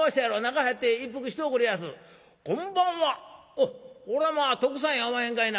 「おっこれはまあ徳さんやおまへんかいな。